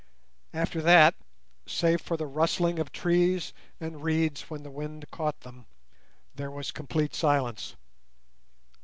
After that, save for the rustling of trees and reeds when the wind caught them, there was complete silence.